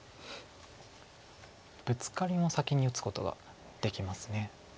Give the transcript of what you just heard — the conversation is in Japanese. ブツカリも先に打つことができます。